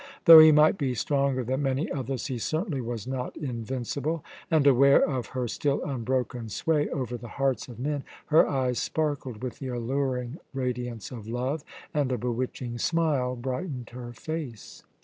Though he might be stronger than many others, he certainly was not invincible. And aware of her still unbroken sway over the hearts of men, her eyes sparkled with the alluring radiance of love, and a bewitching smile brightened her face.